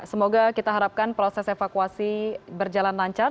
semoga kita harapkan prosesnya akan berjalan dengan baik